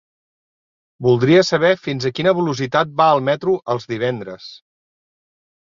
Voldria saber fins a quina velocitat va el metro els divendres?